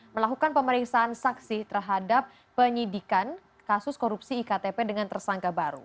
melakukan pemeriksaan saksi terhadap penyidikan kasus korupsi iktp dengan tersangka baru